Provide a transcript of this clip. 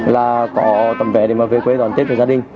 là có tầm vé để mà về quê đón tết với gia đình